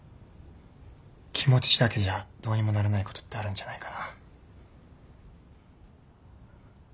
気持ちだけじゃどうにもならないことってあるんじゃないかな。